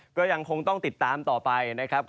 ก็ยังคงต้องติดตามต่อไปนะครับ